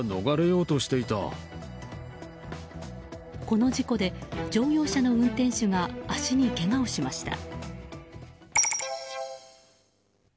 この事故で乗用車の運転手が足にけがをしました。